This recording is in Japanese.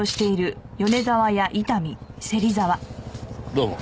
どうも。